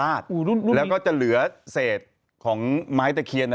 อันนี้เป็นไม้ตะเคียน